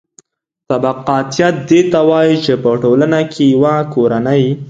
طبقاتیت دې ته وايي چې په ټولنه کې یوه کورنۍ